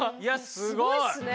すごいっすね。